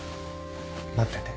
待ってて。